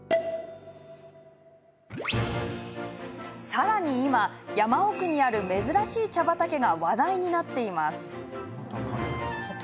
さらに今、山奥にある珍しい茶畑が話題になっています。